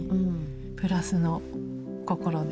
プラスの心で。